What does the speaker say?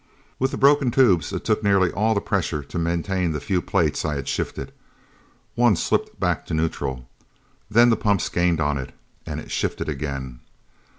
With the broken tubes it took nearly all the pressure to maintain the few plates I had shifted. One slipped back to neutral. Then the pumps gained on it, and it shifted again.